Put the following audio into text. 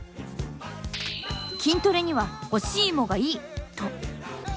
「筋トレには干し芋がいい！」と。